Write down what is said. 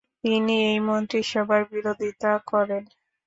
তিনি এই মন্ত্রিসভার বিরোধিতা করেন।